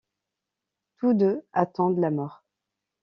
Tous deux attendent la mort.